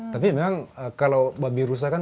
tapi memang kalau babi rusak kan